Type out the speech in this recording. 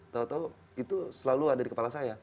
tau tau itu selalu ada di kepala saya